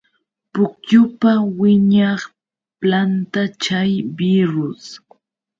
Pukyupa wiñaq planta chay birrus.